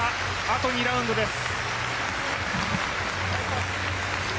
あと２ラウンドです。